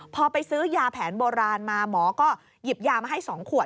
พอไปซื้อยาแผนโบราณมาหมอก็หยิบยามาให้๒ขวด